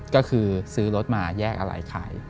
ก็คือซื้อรถมาแยกอะไรขาย